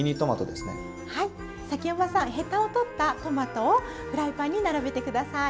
崎山さんヘタを取ったトマトをフライパンに並べて下さい。